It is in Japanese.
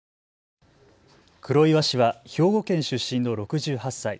黒岩氏は兵庫県出身の６８歳。